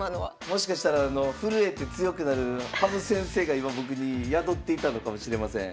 もしかしたら震えて強くなる羽生先生が今僕に宿っていたのかもしれません。